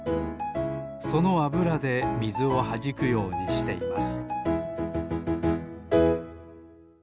そのあぶらでみずをはじくようにしています